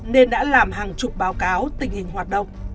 nên đã làm hàng chục báo cáo tình hình hoạt động